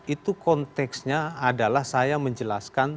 itu konteksnya adalah saya menjelaskan